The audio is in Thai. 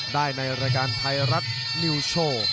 ได้ในรายการไทยรัฐนิวโชว์